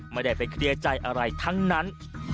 ไม่ได้ไปเคลียร์ใจอะไรทั้งนั้น